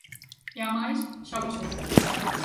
E amais, xa o pasou.